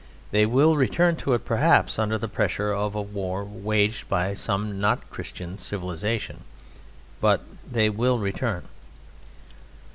They will return to it, perhaps, under the pressure of war waged by some not Christian civilization, but they will return.